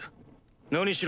何しろ